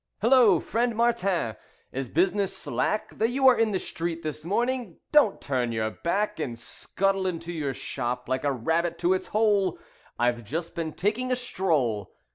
"Hullo! Friend Martin, is business slack That you are in the street this morning? Don't turn your back And scuttle into your shop like a rabbit to its hole. I've just been taking a stroll.